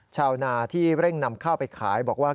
ชาวนาที่เร่งนำข้าวไปขายบอกว่า